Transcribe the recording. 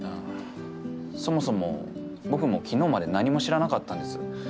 そもそも僕も昨日まで何も知らなかったんです。